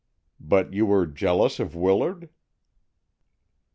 But you were jealous of Willard?"